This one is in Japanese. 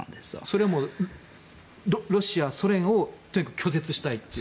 それはロシア、ソ連をとにかく拒絶したいという。